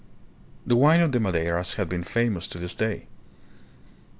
63 wine of the Madeiras has been famous to this day.